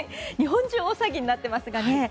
日本中大騒ぎになっていますがね。